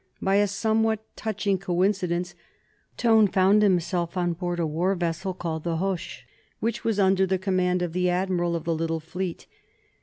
By a somewhat touching coincidence Tone found himself on board a war vessel called the "Hoche," which was under the command of the admiral of the little fleet.